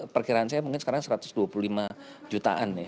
perkiraan saya mungkin sekarang satu ratus dua puluh lima jutaan ya